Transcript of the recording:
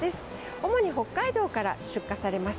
主に北海道から出荷されます。